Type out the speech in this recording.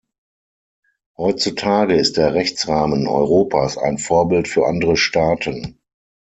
Heutzutage ist der Rechtsrahmen Europas ein Vorbild für andere Staaten.